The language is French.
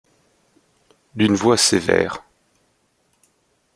D’une voix sévère.